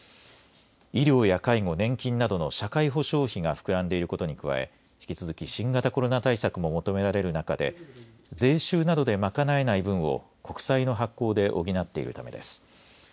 医療や介護、年金などの社会保障費が膨らんでいることに加え、引き続き新型コロナ対策も求められる中で、税収などで賄えない分を、国債の発行で補っているためです。